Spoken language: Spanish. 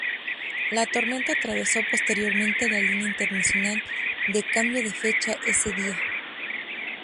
La tormenta atravesó posteriormente la línea internacional de cambio de fecha ese día.